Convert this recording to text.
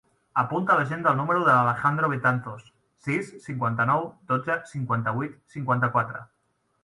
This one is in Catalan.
Apunta a l'agenda el número de l'Alejandro Betanzos: sis, cinquanta-nou, dotze, cinquanta-vuit, cinquanta-quatre.